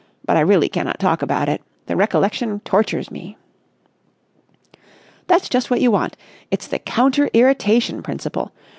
But I really cannot talk about it. The recollection tortures me." "That's just what you want. It's the counter irritation principle.